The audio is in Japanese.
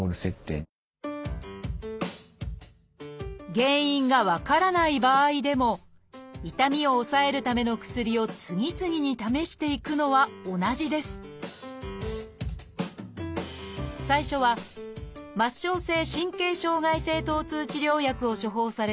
原因が分からない場合でも痛みを抑えるための薬を次々に試していくのは同じです最初は末梢性神経障害性疼痛治療薬を処方された山村さん。